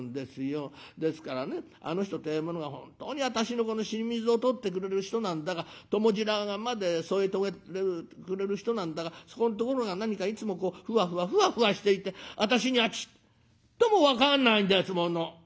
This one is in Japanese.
ですからねあの人ってえものが本当に私の死に水を取ってくれる人なんだか共白髪まで添え遂げてくれる人なんだかそこんところが何かいつもこうふわふわふわふわしていて私にはちっとも分かんないんですもの」。